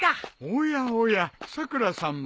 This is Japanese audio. おやおやさくらさんまで。